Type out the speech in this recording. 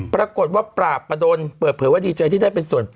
ปรากฏว่าปราบประดนเปิดเผยว่าดีใจที่ได้เป็นส่วน